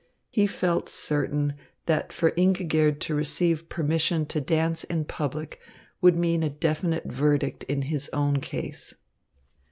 He felt certain that for Ingigerd to receive permission to dance in public would mean a definite verdict in his own case.